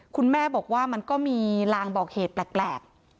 คุณแม่บอกว่ามันก็มีลางบอกเหตุแปลก